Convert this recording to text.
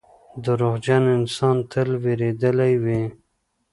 • دروغجن انسان تل وېرېدلی وي.